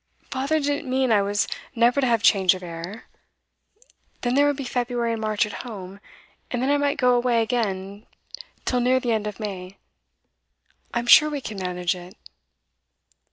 Father didn't mean I was never to have change of air. Then there would be February and March at home. And then I might go away again till near the end of May. I'm sure we can manage it.